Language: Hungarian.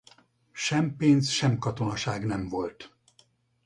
Sem pénz sem katonaság nem volt.